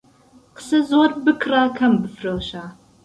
قسە زۆر بکڕە، کەم بفرۆشە.